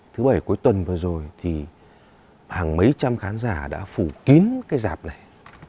thứ bảy cuối tuần vừa rồi thì hàng mấy trăm khán giả đã phủ kín cái giạp này